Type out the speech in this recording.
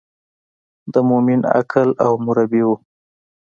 د مومن عقل او مربي و.